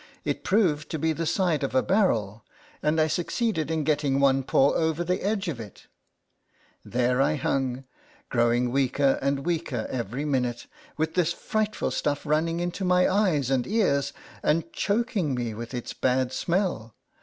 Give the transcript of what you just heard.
It proved to be the side of a barrel, and I suc ceeded in getting one paw over the edge of it There I hung, growing weaker and weaker every minute, with this frightful stuff running into my eyes and ears, and choking me with its bad smell.